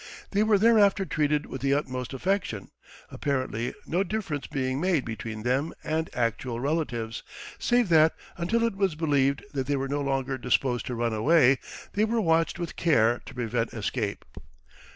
They were thereafter treated with the utmost affection, apparently no difference being made between them and actual relatives, save that, until it was believed that they were no longer disposed to run away, they were watched with care to prevent escape.